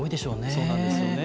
そうなんですよね。